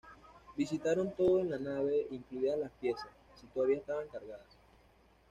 Visitaron todo en la nave, incluidas las piezas, si todavía estaban cargadas.